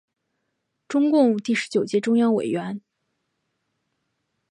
中共第十九届中央委员。